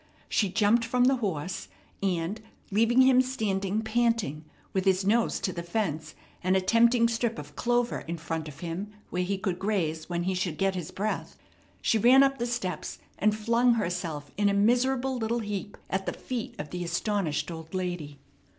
She jumped from the horse; and, leaving him standing panting with his nose to the fence, and a tempting strip of clover in front of him where he could graze when he should get his breath, she ran up the steps, and flung herself in a miserable little heap at the feet of the astonished old lady.